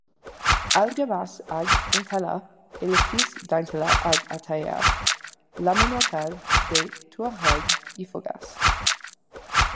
Alghabass Ag Intalla est le fils d'Intalla Ag Attaher, l'amenokal des Touaregs ifoghas.